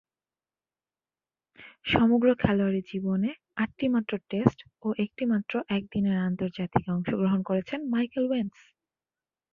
সমগ্র খেলোয়াড়ী জীবনে আটটিমাত্র টেস্ট ও একটিমাত্র একদিনের আন্তর্জাতিকে অংশগ্রহণ করেছেন মাইকেল ওয়েন্স।